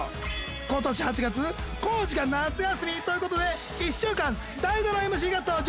今年８月浩次が夏休みということで１週間代打のＭＣが登場。